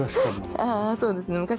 そうですね。